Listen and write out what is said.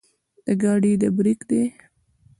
د ګاډي د برېک دے